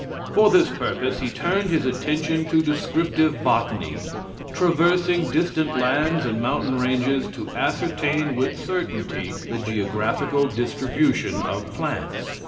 For this purpose he turned his attention to descriptive botany, traversing distant lands and mountain ranges to ascertain with certainty the geographical distribution of plants.